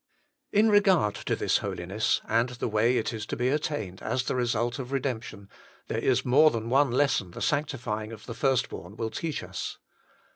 In regard to this Holiness, and the way it is to be attained as the result of redemption, there is more than one lesson the sanctifying of the first born will teach us.